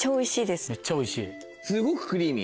すごくクリーミー。